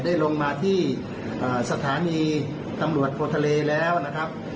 ได้ลงมาที่สถานีตำรวจโพทะเลแล้วนะครับ